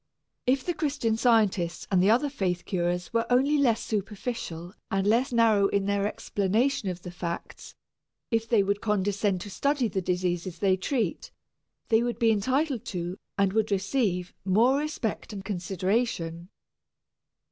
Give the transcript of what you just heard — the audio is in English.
If the Christian Scientists and the other faith curers were only less superficial and less narrow in their explanation of the facts, if they would condescend to study the diseases they treat, they would be entitled to, and would receive, more respect and consideration.